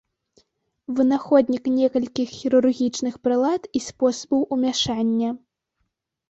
Вынаходнік некалькіх хірургічных прылад і спосабаў умяшання.